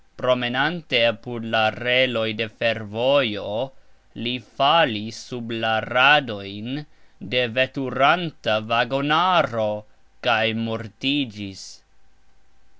] promenante apud la reloj de fervojo, li falis sub la radojn de veturanta vagonaro, kaj mortigxis.